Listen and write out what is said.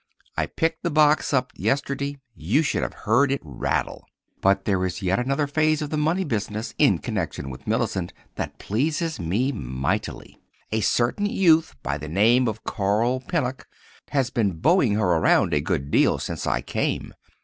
I picked the box up yesterday. You should have heard it rattle! But there is yet another phase of the money business in connection with Mellicent that pleases me mightily. A certain youth by the name of Carl Pennock has been beauing her around a good deal, since I came.